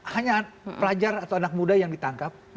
hanya pelajar atau anak muda yang ditangkap